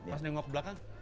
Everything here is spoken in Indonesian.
masih nengok ke belakang